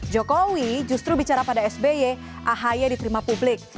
jokowi justru bicara pada sby ahy diterima publik